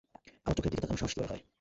আমার চোখের দিকে তাকানোর সাহস কীভাবে হয়?